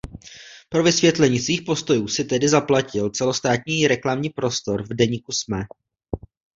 Pro vysvětlení svých postojů si tehdy zaplatil celostátní reklamní prostor v deníku Sme.